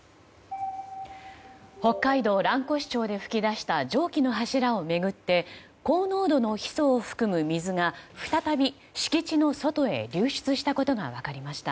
北海道蘭越町で噴き出した蒸気の柱を巡って高濃度のヒ素を含む水が再び敷地の外へ流出したことが分かりました。